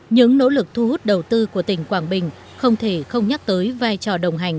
những nỗ lực thu hút đầu tư của tỉnh quảng bình không thể không nhắc tới vai trò đồng hành